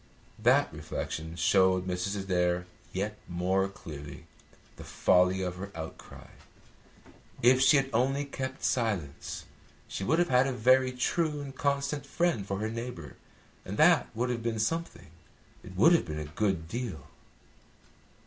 That reflection showed Mrs. Adair yet more clearly the folly of her outcry. If she had only kept silence, she would have had a very true and constant friend for her neighbour, and that would have been something. It would have been a good deal.